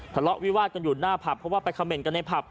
ทะเลาะวิวาดกันอยู่หน้าผับเพราะว่าไปคำเมนต์กันในผับ